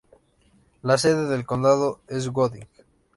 La sede del condado es Gooding.